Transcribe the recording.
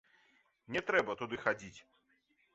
Не трэба туды хадзіць.